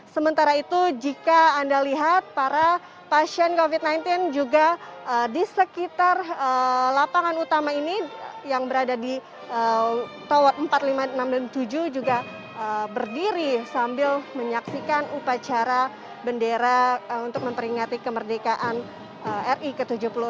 sementara itu jika anda lihat para pasien covid sembilan belas juga di sekitar lapangan utama ini yang berada di tower empat ribu lima ratus enam puluh tujuh juga berdiri sambil menyaksikan upacara bendera untuk memperingati kemerdekaan ri ke tujuh puluh enam